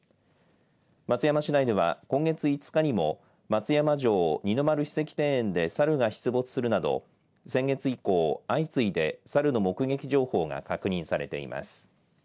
松山市内では今月５日にも松山城二之丸史跡庭園でサルが出没するなど先月以降、相次いでサルの目撃情報が確認されています。